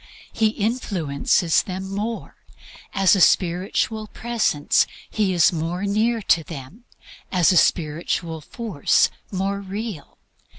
He influences them more. As a spiritual presence he is more near to them, as a spiritual force more real.